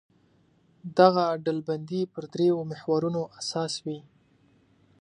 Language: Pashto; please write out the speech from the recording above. دغه ډلبندي پر درېیو محورونو اساس وي.